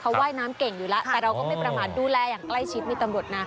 เขาไหว้น้ำเก่งอยู่แล้วแต่เราก็ไม่ประมาณดูแลอย่างใกล้ชิด